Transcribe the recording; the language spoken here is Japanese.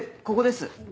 ここです。